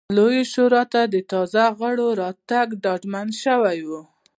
لویې شورا ته د تازه غړو راتګ ډاډمن شوی و